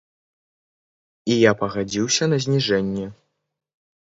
І я пагадзіўся на зніжэнне.